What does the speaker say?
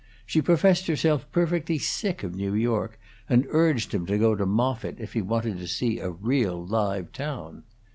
She professed herself perfectly sick of New York, and urged him to go to Moffitt if he wanted to see a real live town.